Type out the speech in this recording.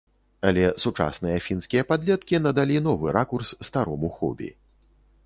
Але сучасныя фінскія падлеткі надалі новы ракурс старому хобі.